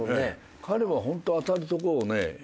彼はホント当たるとこをね